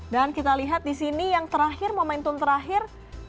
dan kita lihat di sini yang terakhir momentum terakhir